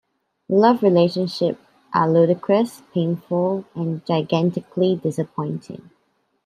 Love relationship are ludicrous, painful, and gigantically disappointing.